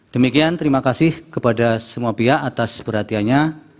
demikian terima kasih kepada semua pihak atas perhatiannya